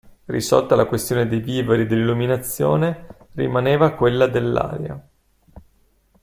Risolta la questione dei viveri e dell'illuminazione, rimaneva quella dell'aria.